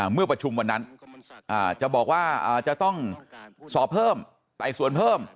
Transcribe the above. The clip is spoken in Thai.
เมื่อประชุมวันนั้นจะบอกว่าจะต้องสอบเพิ่มไต่สวนเพิ่ม